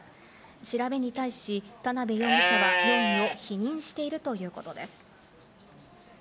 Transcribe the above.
調べに対し、田辺容疑者は容疑を否認しているということです。